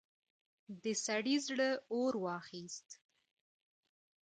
د سړي زړه اور واخيست.